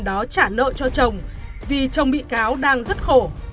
bà lan đưa tiền đó trả nợ cho chồng vì chồng bị cáo đang rất khổ